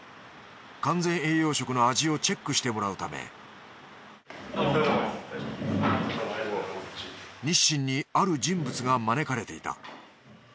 完全栄養食の味をチェックしてもらうため日清にある人物が招かれていた。